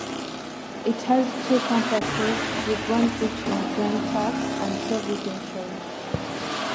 It has two campuses with one each in Grand Turk and Providenciales.